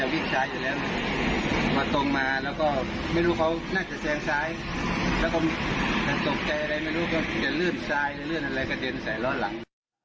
เลื่อนซ้ายเลื่อนอะไรกระเจนใส่รถหลัง